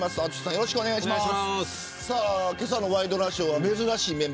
よろしくお願いします。